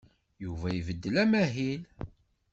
Yuba ibeddel amahil.